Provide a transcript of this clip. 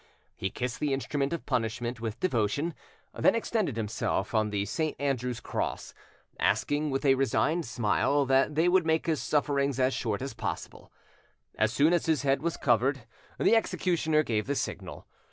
He kissed the instrument of punishment with devotion, then extended himself on the St. Andrew's cross, asking with a resigned smile that they would make his sufferings as short as possible. As soon as his head was covered, the executioner gave the signal.